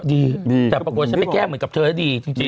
ดีแต่ปกโยชน์ฉันไปแก้เหมือนกับเธอคือดี